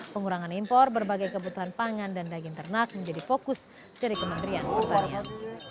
pengurangan impor berbagai kebutuhan pangan dan daging ternak menjadi fokus dari kementerian pertanian